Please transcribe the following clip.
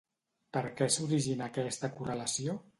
Per què s'origina aquesta correlació?